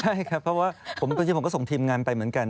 ใช่ครับเพราะว่าจริงผมก็ส่งทีมงานไปเหมือนกัน